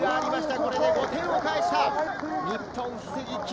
これで５点を返した。